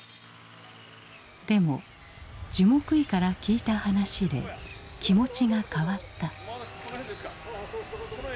でも樹木医から聞いた話で気持ちが変わった。